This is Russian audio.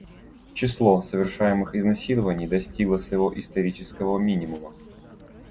Число совершаемых изнасилований достигло своего исторического минимума.